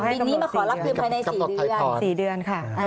นำบินนี้มาความรับเงินค่อยใน๔เดือน